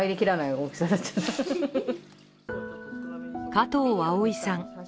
加藤碧さん。